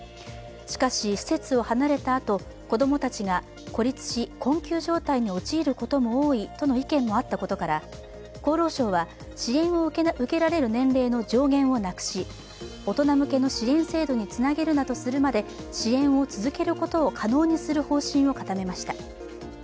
しかし、施設を離れたあと子供たちが孤立し、困窮状態に陥ることも多いとの意見もあったことから厚労省は、支援を受けられる年齢の上限をなくし、大人向けの支援制度につなげるまで支援を続けることを可能にする方針を固めました。